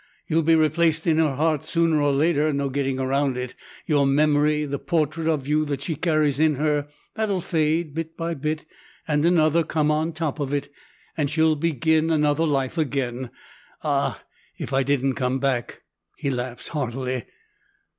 You'll be replaced in her heart sooner or later; no getting round it; your memory, the portrait of you that she carries in her, that'll fade bit by bit and another'll come on top of it, and she'll begin another life again.' Ah, if I didn't come back!" He laughs heartily.